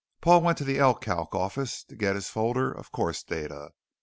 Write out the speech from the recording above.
Paul went to the Elecalc office to get his folder of course data.